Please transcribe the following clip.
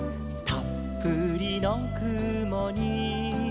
「たっぷりのくもに」